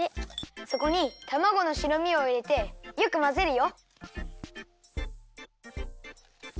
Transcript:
そこにたまごの白身をいれてよくまぜるよ。